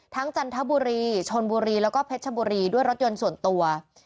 จันทบุรีชนบุรีแล้วก็เพชรชบุรีด้วยรถยนต์ส่วนตัว